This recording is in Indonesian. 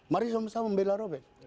mari sama sama membela robek